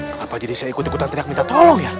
kenapa jadi saya ikut ikutan teriak minta tolong ya